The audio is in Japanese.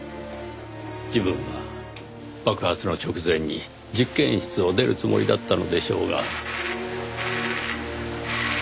自分は爆発の直前に実験室を出るつもりだったのでしょうが。